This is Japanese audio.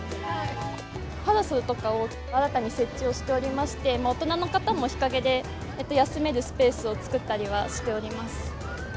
パラソルとかを新たに設置をしておりまして、大人の方も日陰で休めるスペースを作ったりはしております。